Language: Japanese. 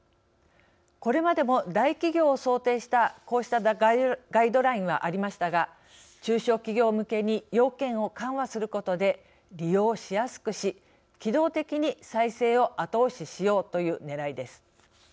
これまでも大企業を想定したこうしたガイドラインはありましたが中小企業向けに要件を緩和することで利用しやすくし機動的に再生を後押ししようというねらいです。